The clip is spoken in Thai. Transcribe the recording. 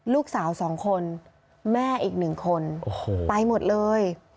ลูกสาว๒คนแม่อีกหนึ่งคนไปหมดเลย